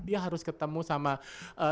dia harus ketemu sama dia disupport